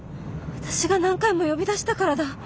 私が何回も呼び出したからだ。